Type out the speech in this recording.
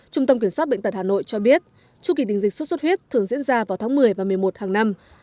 trung tâm kiểm soát bệnh tật hà nội cho biết chu kỳ đình dịch sốt xuất huyết thường diễn ra vào tháng một mươi và một mươi một hàng năm